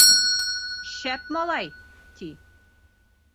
Шәп малай, ти.